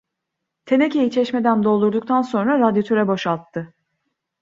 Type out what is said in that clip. Tenekeyi çeşmeden doldurduktan sonra radyatöre boşalttı.